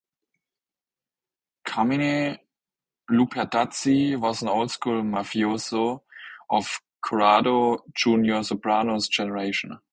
Carmine Lupertazzi was an old-school mafioso of Corrado "Junior" Soprano's generation.